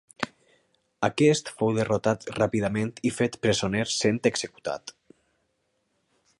Aquest fou derrotat ràpidament i fet presoner sent executat.